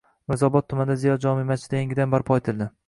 Mirzaobod tumanida “Ziyo” jome’ masjidi yangidan barpo etildi